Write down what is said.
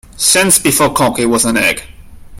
Since before cocky was an egg.